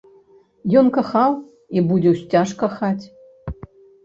Ён кахаў і будзе ўсцяж кахаць.